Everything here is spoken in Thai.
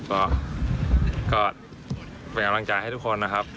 ก็เป็นกำลังใจให้ทุกคนนะครับ